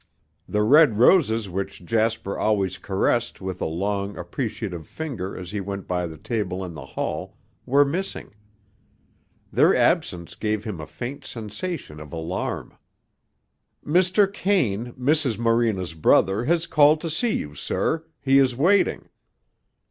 The red roses which Jasper always caressed with a long, appreciative finger as he went by the table in the hall, were missing. Their absence gave him a faint sensation of alarm. "Mr. Kane, Mrs. Morena's brother, has called to see you, sir. He is waiting."